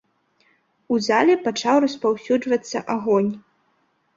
У зале пачаў распаўсюджвацца агонь.